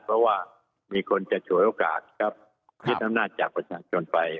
เพราะว่ามีคนจะฉวยโอกาสครับยึดอำนาจจากประชาชนไป